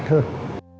mặt trận tổ quốc